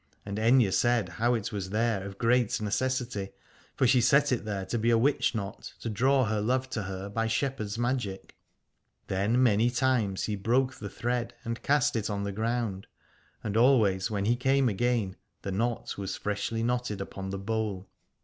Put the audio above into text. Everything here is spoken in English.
And Aithne said how it was there of great necessity : for she set it there to be a witchknot, to draw her love to her by shepherd's magic. Then many times he broke the thread and cast it on the ground, and always when he came again the knot was freshly knotted upon the bowl.